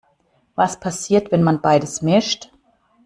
Was passiert, wenn man beides mischt?